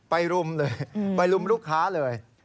รุมเลยไปรุมลูกค้าเลย